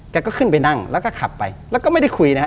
ก็ขึ้นไปนั่งแล้วก็ขับไปแล้วก็ไม่ได้คุยนะฮะ